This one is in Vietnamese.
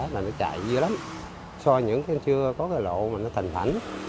mà nó chạy dư lắm so với những cái chưa có cái lộ mà nó thành thảnh